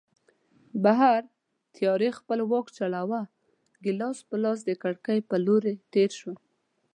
بهر تیارې خپل واک چلاوه، ګیلاس په لاس د کړکۍ په لور تېر شوم.